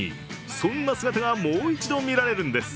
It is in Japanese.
そんな姿がもう一度、見られるんです。